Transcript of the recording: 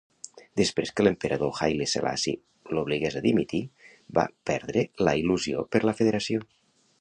Després que l'emperador Haile Selassie l'obligués a dimitir, va perdre la il·lusió per la Federació.